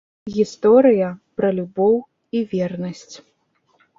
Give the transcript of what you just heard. Гісторыя пра любоў і вернасць.